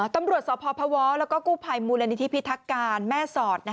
ตำรวจสพพวแล้วก็กู้ภัยมูลนิธิพิทักการแม่สอด